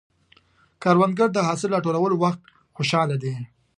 کروندګر د حاصل راټولولو وخت خوشحال دی